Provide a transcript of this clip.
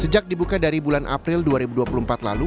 sejak dibuka dari bulan april dua ribu dua puluh empat lalu